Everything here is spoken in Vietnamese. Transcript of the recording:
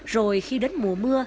rồi khi đến mùa mưa